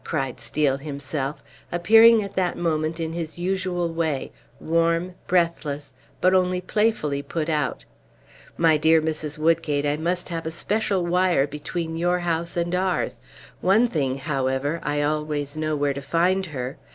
cried Steel himself, appearing at that moment in his usual way, warm, breathless, but only playfully put out. "My dear Mrs. Woodgate, I must have a special wire between your house and ours. One thing, however, I always know where to find her!